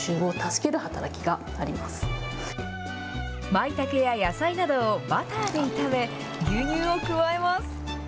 まいたけや野菜などをバターで炒め、牛乳を加えます。